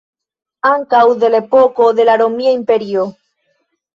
Ankaŭ de la epoko de la Romia Imperio.